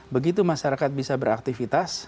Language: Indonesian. begitu masyarakat bisa beraktivitas